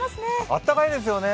あったかいですよね。